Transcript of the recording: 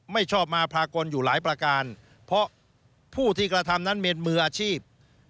ไม่ชอบมาพากลอยู่หลายประการเพราะผู้ที่กระทำนั้นเป็นมืออาชีพ